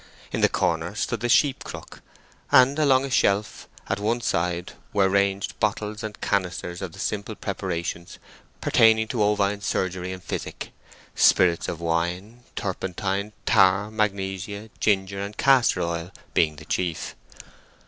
In the corner stood the sheep crook, and along a shelf at one side were ranged bottles and canisters of the simple preparations pertaining to ovine surgery and physic; spirits of wine, turpentine, tar, magnesia, ginger, and castor oil being the chief.